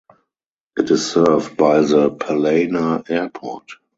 It is served by the Palana Airport.